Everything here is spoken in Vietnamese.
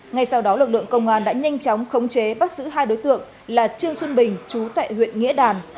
ngay sau đó lực lượng công an đã nhanh chóng khống chế bắt giữ hai đối tượng là trương xuân bình chú tại huyện nghĩa đàn